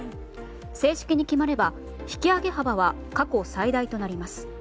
正式に決まれば引き上げ幅は過去最大となります。